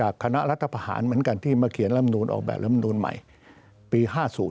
คณะรัฐประหารเหมือนกันที่มาเขียนลำนูนออกแบบลำนูนใหม่ปี๕๐